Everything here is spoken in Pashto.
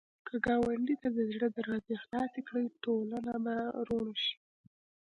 که ګاونډي ته د زړه دروازې خلاصې کړې، ټولنه به روڼ شي